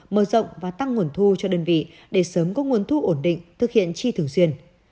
mở rộng và tăng nguồn thu cho đơn vị để sớm có nguồn thu ổn định thực hiện chi thường xuyên